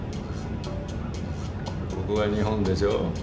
ここが日本でしょ。